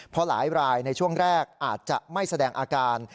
เพราะหลายรายในช่วงแรกอาจจะไม่แสดงอาการ